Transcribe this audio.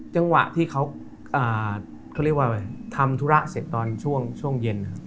เวลาที่เขาทำธุระเสร็จตอนช่วงเย็น